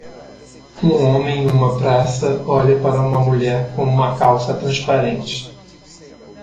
Um homem em uma praça olha para uma mulher com uma calça transparente.